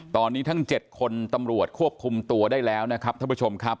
ตอนนี้ทั้ง๗คนตำรวจควบคุมตัวได้แล้วนะครับท่านผู้ชมครับ